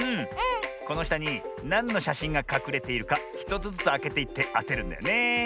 このしたになんのしゃしんがかくれているか１つずつあけていってあてるんだよねえ。